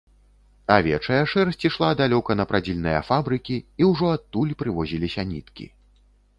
Авечая шэрсць ішла далёка на прадзільныя фабрыкі, і ўжо адтуль прывозіліся ніткі.